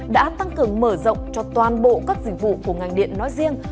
đã tăng cường mở rộng cho toàn bộ các dịch vụ của ngành điện nói riêng